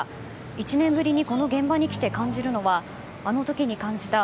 １年ぶりにこの現場に来て感じるのはあのときに感じた